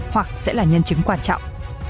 hoặc sẽ là nhân chứng quan trọng